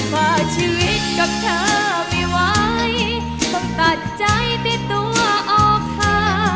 ว่าชีวิตกับเธอไม่ไหวต้องตัดใจติดตัวออกค่ะ